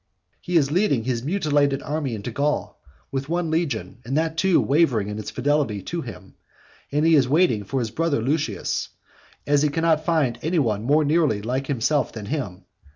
He is leading his mutilated army into Gaul, with one legion, and that too wavering in its fidelity to him, he is waiting for his brother Lucius, as he cannot find any one more nearly like himself than him.